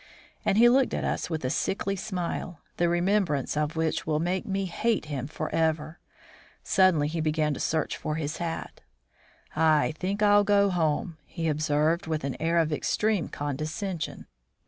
And he looked at us with a sickly smile, the remembrance of which will make me hate him forever. Suddenly he began to search for his hat. "I think I'll go home," he observed, with an air of extreme condescension.